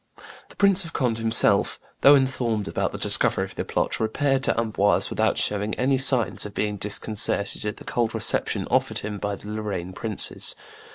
The Prince of Conde himself, though informed about the discovery of the plot, repaired to Amboise without showing any signs of being disconcerted at the cold reception offered him by the Lorraine princes.